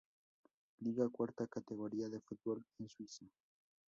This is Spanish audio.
Liga, cuarta categoría de fútbol en Suiza.